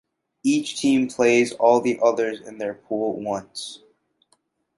Each team plays all the others in their pool once.